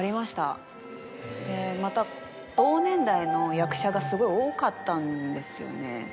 でまた同年代の役者がすごい多かったんですよね。